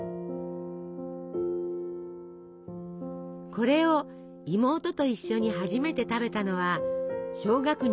これを妹と一緒に初めて食べたのは小学２年生の時。